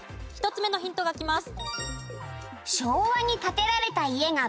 ２つ目のヒントがきます。